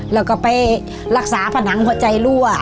แล้วก็ไปรักษาผนังหัวใจรั่ว